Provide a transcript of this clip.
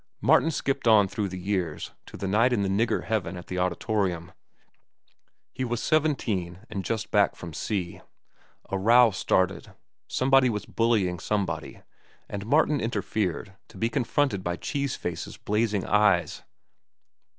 Martin skipped on through the years to the night in the nigger heaven at the Auditorium. He was seventeen and just back from sea. A row started. Somebody was bullying somebody, and Martin interfered, to be confronted by Cheese Face's blazing eyes.